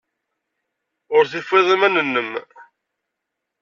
Ur tufiḍ iman-nnem.